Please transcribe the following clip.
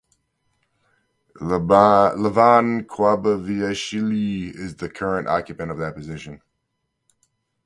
Levan Qubaneishvili is the current occupant of this position.